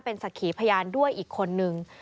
เป็นสักขีพยานด้วยอีกคนนึง